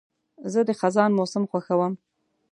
زه د خزان موسم خوښوم.